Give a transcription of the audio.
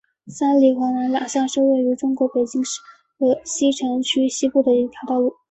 三里河南二巷是位于中国北京市西城区西部的一条道路。